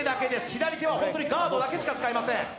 左手はガードだけしか使えません。